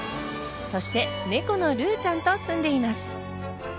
そして猫のルゥちゃんと住んでいます。